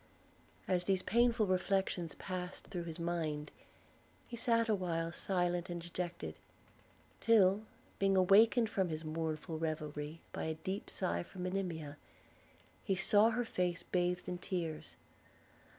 As these painful reflections passed through his mind, he sat a while silent and dejected, till, being awakened from his mournful reverie by a deep sigh from Monimia, he saw her face bathed in tears.